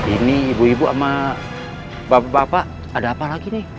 ini ibu ibu sama bapak bapak ada apa lagi nih